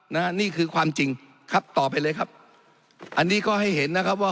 นี่คือความจริงครับต่อไปเลยครับอันนี้ก็ให้เห็นนะครับว่า